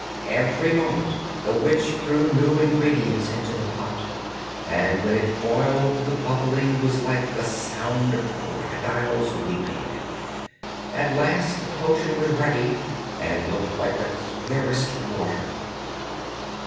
Every moment the witch threw new ingredients into the pot, and when it boiled the bubbling was like the sound of crocodiles weeping. At last the potion was ready and it looked like the clearest water.